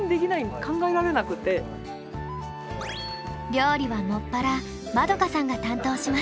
料理は専ら円さんが担当します。